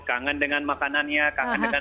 kangen dengan makanannya kangen kan